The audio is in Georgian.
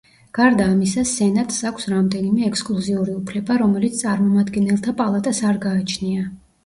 გარდა ამისა სენატს აქვს რამდენიმე ექსკლუზიური უფლება რომელიც წარმომადგენელთა პალატას არ გააჩნია.